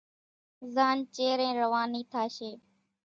زاڃ چيرين روانِي ٿاشيَ۔